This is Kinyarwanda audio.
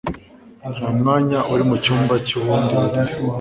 Nta mwanya uri mucyumba cy'ubundi buriri